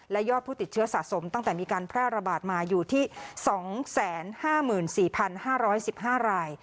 และยอดผู้ติดเชื้อสะสมตั้งแต่มีการแพร่ระบาดมาอยู่ที่สองแสนห้าหมื่นสี่พันห้าร้อยสิบห้าราย